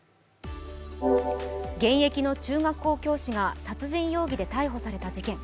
現役の中学校教師が殺人容疑で逮捕された事件。